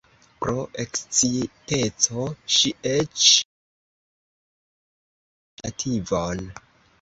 Pro eksciteco ŝi eĉ forgesis la akuzativon.